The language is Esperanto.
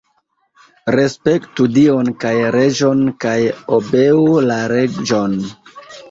Respektu Dion kaj reĝon kaj obeu la leĝon.